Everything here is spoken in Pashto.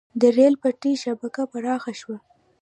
د ریل پټلۍ شبکه پراخه شوه.